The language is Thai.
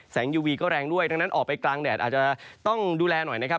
ยูวีก็แรงด้วยดังนั้นออกไปกลางแดดอาจจะต้องดูแลหน่อยนะครับ